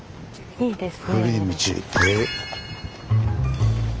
いいですね。